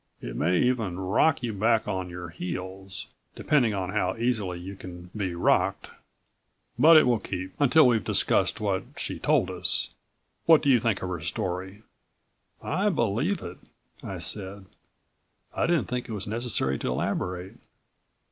It may even rock you back on your heels, depending on how easily you can be rocked. But it will keep ... until we've discussed what she told us. What do you think of her story?" "I believe it," I said. I didn't think it was necessary to elaborate.